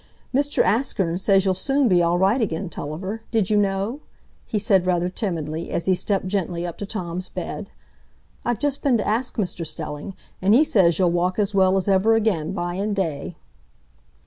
"Mr Askern says you'll soon be all right again, Tulliver, did you know?" he said rather timidly, as he stepped gently up to Tom's bed. "I've just been to ask Mr Stelling, and he says you'll walk as well as ever again by and day."